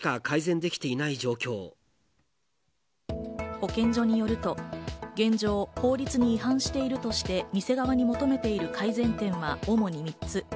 保健所によると現状、法律に違反しているとして店側に求めている改善点は主に３つ。